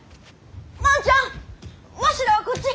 万ちゃんわしらはこっち！